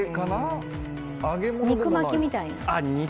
肉巻きみたいなもの？